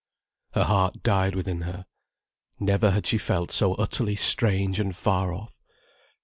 Her heart died within her. Never had she felt so utterly strange and far off.